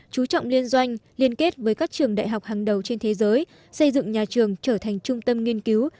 chú trọng liên doanh liên kết với các trường đại học hàng đầu trên thế giới xây dựng nhà trường trở thành trung tâm nghiên cứu